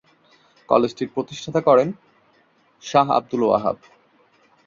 কলেজটির প্রতিষ্ঠাতা করেন শাহ আবদুল ওয়াহাব।